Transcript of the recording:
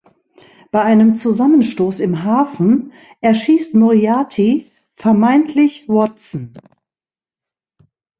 Bei einem Zusammenstoß im Hafen erschießt Moriarty vermeintlich Watson.